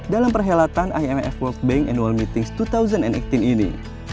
dalam perhelatan imf world bank annual meetings dua ribu delapan belas ini